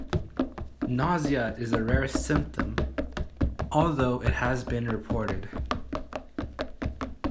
Nausea is a rare symptom, although it has been reported.